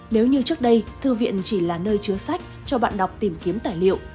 nếu như trước đây thư viện chỉ là nơi chứa sách cho bạn đọc tìm kiếm tài liệu